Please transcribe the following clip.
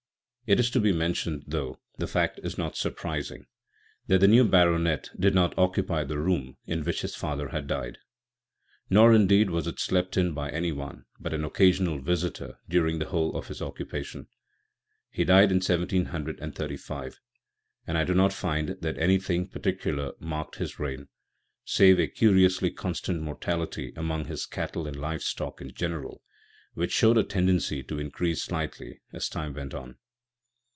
It is to be mentioned, though the fact is not surprising, that the new Baronet did not occupy the room in which his father had died. Nor, indeed, was it slept in by anyone but an occasional visitor during the whole of his occupation. He died in 1735, and I do not find that anything particular marked his reign, save a curiously constant mortality among his cattle and live stock in general; which showed a tendency to increase slightly as time went on.